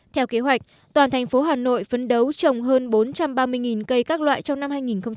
theo kế hoạch toàn thành phố hà nội phấn đấu trồng hơn bốn trăm ba mươi cây các loại trong năm hai nghìn hai mươi